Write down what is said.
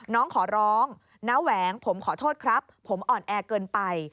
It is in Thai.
น้องขอร้องน้าแหวงผมขอโทษครับผมอ่อนแอเกินไป